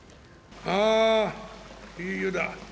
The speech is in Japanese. あいい湯だ。